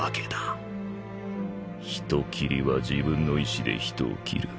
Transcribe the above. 人斬りは自分の意志で人を斬る。